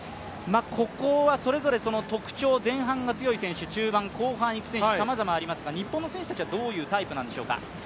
ここはそれぞれ特徴、前半が強い選手、中盤、後半いく選手さまざまありますが、日本の選手たちはどういうタイプなんでしょうか？